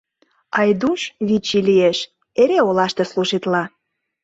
Айдуш, вич ий лиеш, эре олаште служитла.